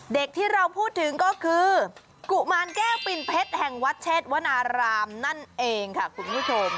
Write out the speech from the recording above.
ที่เราพูดถึงก็คือกุมารแก้วปิ่นเพชรแห่งวัดเชษวนารามนั่นเองค่ะคุณผู้ชม